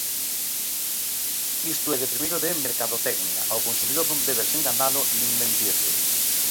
Isto é de primeiro de mercadotecnia: ao consumidor non debes enganalo nin mentirlle.